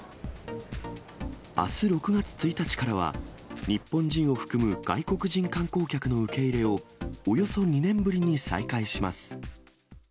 あす６月１日からは、日本人を含む外国人観光客の受け入れを、およそ２年ぶりに再開します。